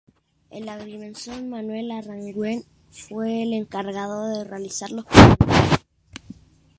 El agrimensor Manuel Aranguren fue el encargado de realizar los planos.